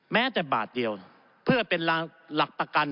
แม้แต่บาทเดียวเพื่อเป็นหลักประกัน